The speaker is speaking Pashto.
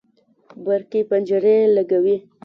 برقي پنجرې لګوي